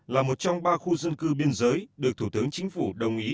là một trong ba khu dân cư biên giới được thủ tướng chính phủ đồng ý